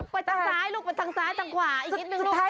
ไปทางซ้ายลูกไปทางซ้ายทางขวาอีกนิดนึงลูก